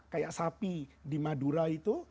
kayak sapi di madura itu